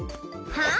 はあ？